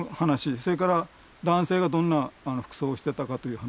それから男性がどんな服装をしてたかという話。